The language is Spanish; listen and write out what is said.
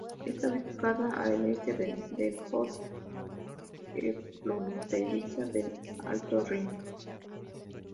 Está ubicada a al este de Belfort et fronteriza del Alto Rin.